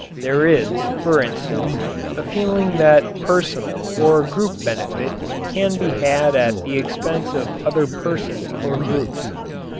There is, for instance, a feeling that personal or group benefit can be had at the expense of other persons or groups.